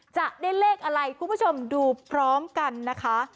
จะได้เลขอะไรคุณผู้ชมดูพร้อมกันนะคะ